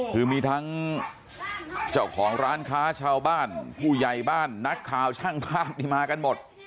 คือมีทั้งเจ้าของร้านค้าชาวบ้านผู้ใหญ่บ้านนักข่าวช่างภาพนี่มากันหมด